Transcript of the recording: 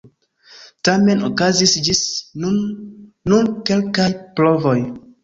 Tamen okazis ĝis nun nur kelkaj provoj.